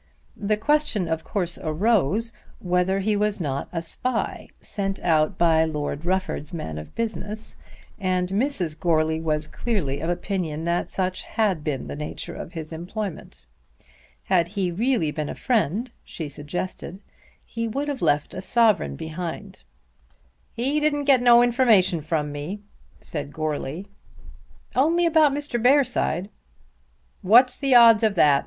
The question of course arose whether he was not a spy sent out by Lord Rufford's man of business, and Mrs. Goarly was clearly of opinion that such had been the nature of his employment. Had he really been a friend, she suggested, he would have left a sovereign behind him. "He didn't get no information from me," said Goarly. "Only about Mr. Bearside." "What's the odds of that?